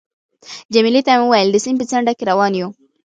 جميله ته مې وویل: د سیند په څنډه کې روان یو.